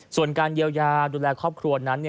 ส่วนการเยียวยาดูแลครอบครัวนั้นเนี่ย